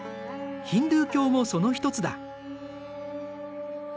ヒンドゥー教もその一つだ。